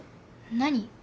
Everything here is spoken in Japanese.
何？